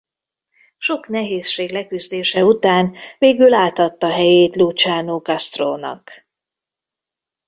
Sok nehézség leküzdése után végül átadta helyét Luciano Castro-nak.